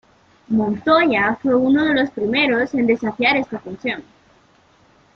Montoya fue uno de los primeros en desafiar esta función.